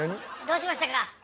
どうしましたか？